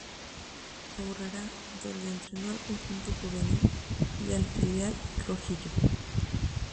Aurrerá donde entrenó al conjunto juvenil y al filial "rojillo".